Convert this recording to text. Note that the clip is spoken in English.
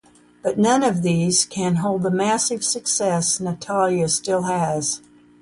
But non of these can hold the massive success Natalia still has.